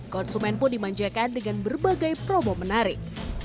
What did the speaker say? konsumen pun dimanjakan dengan berbagai promo menarik